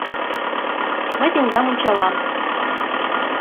— Мый тендам ончалам.